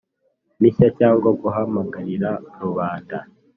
Mishya cyangwa guhagamagarira rubanda